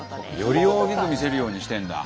より大きく見せるようにしてるんだ。